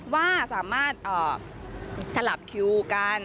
ว่าสามารถสลับคิวกัน